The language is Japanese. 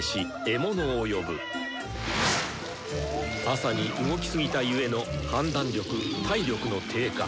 朝に動きすぎたゆえの判断力・体力の低下。